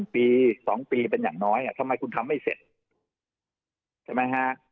ปี๒ปีเป็นอย่างน้อยทำไมคุณทำไม่เสร็จใช่ไหมฮะ